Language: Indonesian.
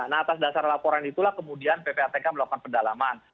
nah atas dasar laporan itulah kemudian ppatk melakukan pendalaman